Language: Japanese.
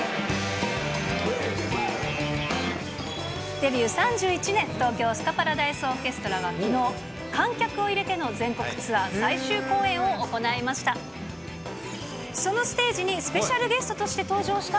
デビュー３１年、東京スカパラダイスオーケストラはきのう、観客を入れての全国ツアー最終公演を行いました。